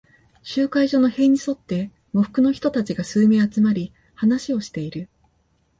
集会所の塀に沿って、喪服の人たちが数名集まり、話をしている。